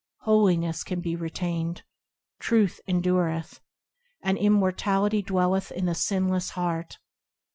Holiness can be retained, Truth endureth, And immortality dwelleth in the sinless heart.